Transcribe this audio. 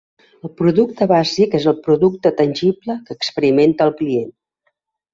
El producte bàsic és el producte tangible que experimenta el client.